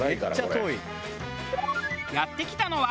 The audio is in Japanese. やって来たのは。